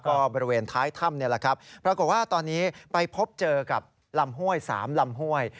ก็บริเวณท้ายถ้ำนี่แหละครับปรากฏว่าตอนนี้ไปพบเจอกับลำห้วย๓ลำห้วย